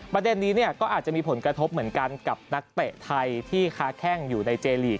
ประเด็นนี้ก็อาจจะมีผลกระทบเหมือนกันกับนักเตะไทยที่ค้าแข้งอยู่ในเจลีก